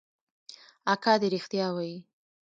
اکا دې ريښتيا وايي.